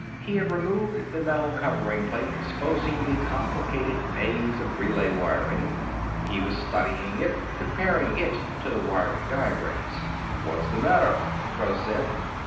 He had removed the metal covering plate, exposing the complicated maze of relay wiring. He was studying it, comparing it to the wiring diagrams. "What's the matter?" Gross said.